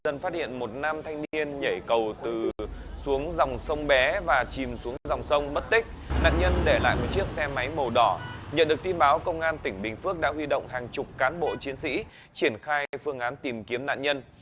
nạn nhân đã tìm ra một chiếc xe máy màu đỏ nhận được tin báo công an tỉnh bình phước đã huy động hàng chục cán bộ chiến sĩ triển khai phương án tìm kiếm nạn nhân